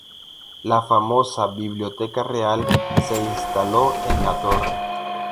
La famosa Biblioteca Real se instaló en la torre.